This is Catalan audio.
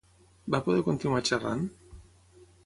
Va poder continuar xerrant?